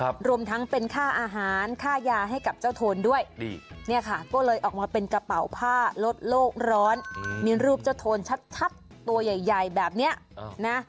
โบสถ์ตัวใหญ่แบบนี้นะ